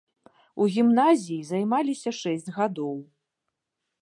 У гімназіі займаліся шэсць гадоў.